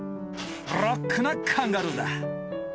ロックなカンガルーだ。